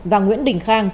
và nguyễn đình khang